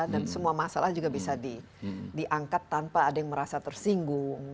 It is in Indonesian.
dan semua masalah juga bisa diangkat tanpa ada yang merasa tersinggung